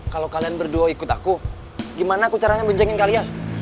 kalau kalian berdua ikut aku gimana aku caranya bincangin kalian